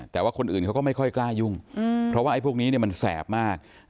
แต่ว่าคนอื่นเขาก็ไม่ค่อยกล้ายุ่งเพราะว่าไอ้พวกนี้มันแสบมาก